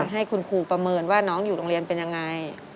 ให้คุณครูประเมินว่าน้องอยู่โรงเรียนเป็นยังไง